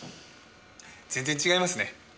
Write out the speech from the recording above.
全然違いますね。